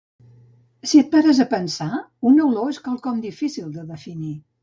Si et pares a pensar, una olor és quelcom difícil de definir